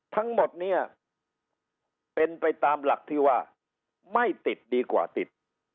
ทั้งหมดเนี่ยเป็นไปตามหลักที่ว่าไม่ติดดีกว่าติด